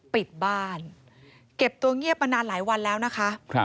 ปิดบ้านเก็บตัวเงียบมานานหลายวันแล้วนะคะ